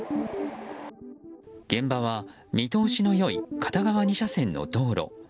現場は見通しの良い片側２車線の道路。